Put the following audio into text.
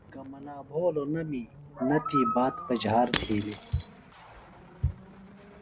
گہ منا بھولوۡ نہ می نہ تی بات پجہار تِھیلیۡ۔